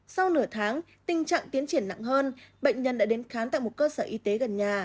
sau nửa tháng tình trạng tiến triển nặng hơn bệnh nhân đã đến khám tại một cơ sở y tế gần nhà